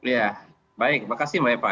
ya baik terima kasih mbak eva